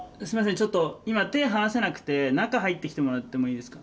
ちょっと今手ぇ離せなくて中入ってきてもらってもいいですか？